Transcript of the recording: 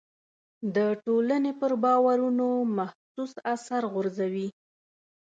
د ټولنې پر باورونو محسوس اثر غورځوي.